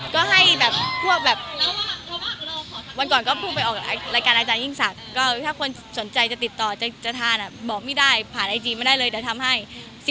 ก็ให้แบบพวกแบบวันก่อนก็พูดไปออกรายการอาจารย์ยิ่งสัตว์ก็ถ้าคนสนใจจะติดต่อจะทานอ่ะบอกไม่ได้ผ่านไอจีมาได้เลยจะทำให้๑๐ขวดก็ทำ